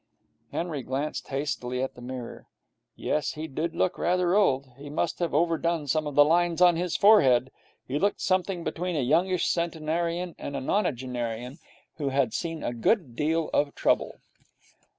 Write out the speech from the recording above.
Henry glanced hastily at the mirror. Yes, he did look rather old. He must have overdone some of the lines on his forehead. He looked something between a youngish centenarian and a nonagenarian who had seen a good deal of trouble.